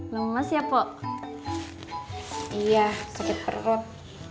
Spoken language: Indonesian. lemes ya pak iya sakit perut